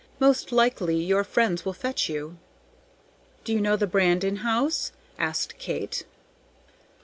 Most likely your friends will fetch you." "Do you know the Brandon house?" asked Kate.